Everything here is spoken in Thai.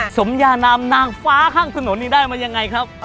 สมยานามนางฟ้าข้างถนนนี่ได้มายังไงครับ